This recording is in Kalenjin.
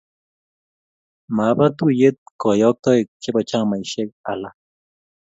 Mapa tuiyet kayoktoik chebo chamaisiek alak.